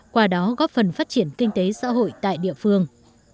qua đó góp phần phát triển kinh tế xã hội tại địa phương